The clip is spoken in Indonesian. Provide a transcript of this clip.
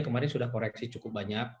kemarin sudah koreksi cukup banyak